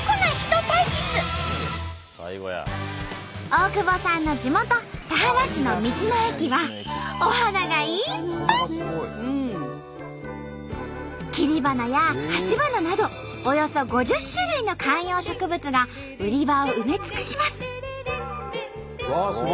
大久保さんの地元切り花や鉢花などおよそ５０種類の観葉植物が売り場を埋め尽くします。